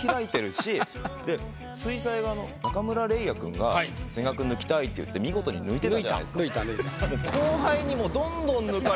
で水彩画の中村嶺亜くんが「千賀くん抜きたい」って言って見事に抜いてったじゃないですか。